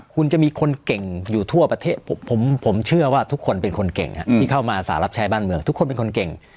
คุณจะมีคนเก่งอยู่ทั่วประเทศผมเชื่อว่าทุกคนเป็นคนเก่งที่เข้ามาสารรับใช้บ้านเมืองทุกคนเป็นคนเก่ง